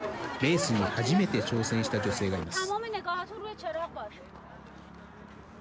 この日、レースに初めて挑戦した女性がいます。